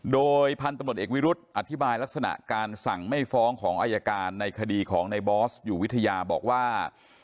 โดยพันธุ์ตำรวจเอกวิรุธอธิบายลักษณะการสั่งไม่ฟ้องของอายการในคดีของในบอสอยู่วิทยาบอกว่า